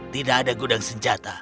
tidak ada gudang senjata